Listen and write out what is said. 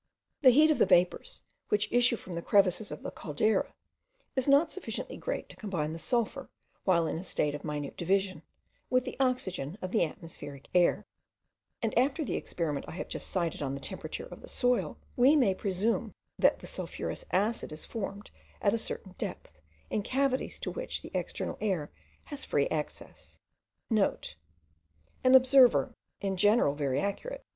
The heat of the vapours, which issue from the crevices of the caldera, is not sufficiently great to combine the sulphur while in a state of minute division, with the oxygen of the atmospheric air; and after the experiment I have just cited on the temperature of the soil, we may presume that the sulphurous acid is formed at a certain depth,* in cavities to which the external air has free access. (* An observer, in general very accurate, M.